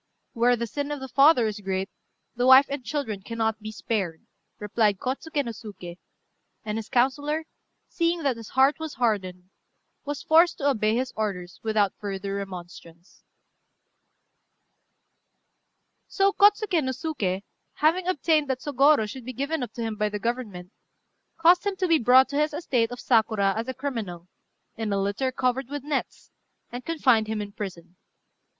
"Where the sin of the father is great, the wife and children cannot be spared," replied Kôtsuké no Suké; and his councillor, seeing that his heart was hardened, was forced to obey his orders without further remonstrance. So Kôtsuké no Suké, having obtained that Sôgorô should be given up to him by the Government, caused him to be brought to his estate of Sakura as a criminal, in a litter covered with nets, and confined him in prison.